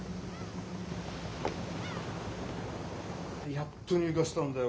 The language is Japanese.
やっと入荷したんだよ